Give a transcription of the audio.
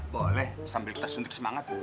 boleh sambil kita suntik semangat